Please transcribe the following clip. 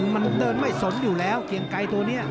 มันเดินไม่สนอยู่แล้วเกียงไกรตัวนี้